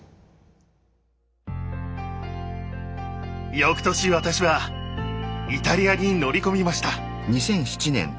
翌年私はイタリアに乗り込みました。